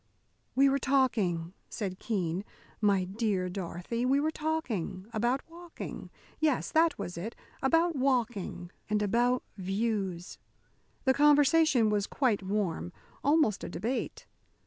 "We were talking," said Keene, "my dear Dorothy, we were talking about walking yes, that was it about walking, and about views. The conversation was quite warm, almost a debate.